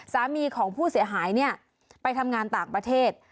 สามีของผู้เสียหายเนี่ยไปทำงานต่างประเทศ